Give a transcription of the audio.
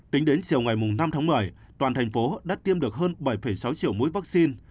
tính đến chiều ngày năm tháng một mươi toàn thành phố đã tiêm được hơn bảy sáu triệu mũi vaccine